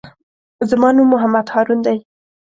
زما نوم محمد هارون دئ.